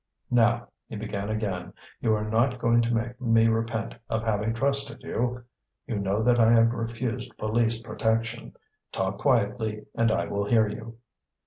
"Now," he began again, "you are not going to make me repent of having trusted you. You know that I have refused police protection. Talk quietly and I will hear you."